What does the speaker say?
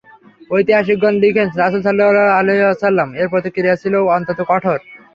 ঐতিহাসিকগণ লিখেন, রাসূল সাল্লাল্লাহু আলাইহি ওয়াসাল্লাম-এর প্রতিক্রিয়া ছিল অত্যন্ত কঠোর।